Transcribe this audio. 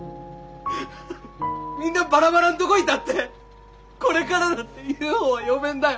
みんなバラバラんとごいたってこれからだってＵＦＯは呼べんだよ。